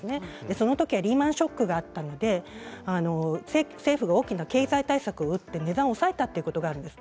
そのそのときはリーマンショックがあったので政府が大きな経済対策を打って値段を抑えたということがあるんです。